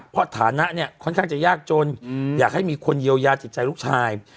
เพราะฐานะเนี่ยค่อนข้างจะยากจนอยากให้มีคนเยียวยาจิตใจลูกชาย